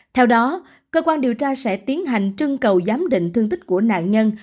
theo đó cơ quan điều tra sẽ tiến hành trưng cầu giám định thương tích của nạn nhân